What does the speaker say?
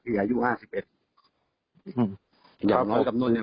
พี่อายุห้าสิบเอ็ดอย่างน้อยกับน้นเนี้ย